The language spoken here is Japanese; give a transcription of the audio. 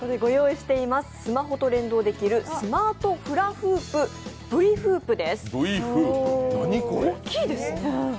スマホと連動できるスマートフラフープ、Ｖフープです、大きいですね。